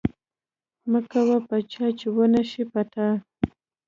مه کوه پر چا چې ونشي پر تا